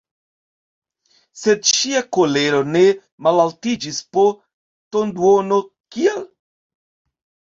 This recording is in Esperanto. Sed ŝia kolero ne malaltiĝis po tonduono: «Kial?"